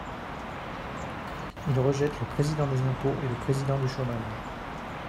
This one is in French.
Ils rejettent le Président des impôts et le Président du chômage.